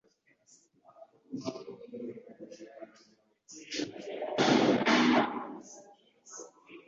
N'alyoka amansula amazzi okukkakkana ng'agabayiye mu maaso.